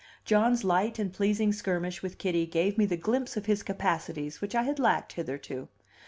John's light and pleasing skirmish with Kitty gave me the glimpse of his capacities which I had lacked hitherto.